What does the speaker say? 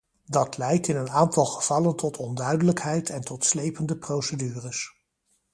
Dat leidt in een aantal gevallen tot onduidelijkheid en tot slepende procedures.